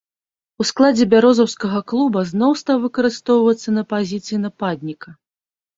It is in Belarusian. У складзе бярозаўскага клуба зноў стаў выкарыстоўвацца на пазіцыі нападніка.